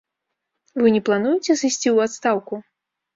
Вы не плануеце сысці ў адстаўку?